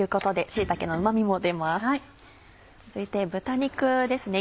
続いて豚肉ですね